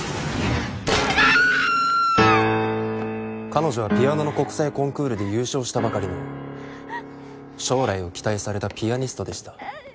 彼女はピアノの国際コンクールで優勝したばかりの将来を期待されたピアニストでした。